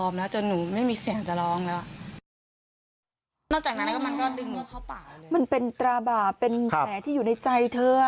มันเป็นตราบาปเป็นแผลที่อยู่ในใจเธอ